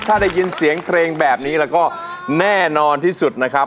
ถ้าได้ยินเสียงเพลงแบบนี้แล้วก็แน่นอนที่สุดนะครับ